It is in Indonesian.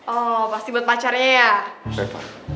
oh pasti buat pacarnya ya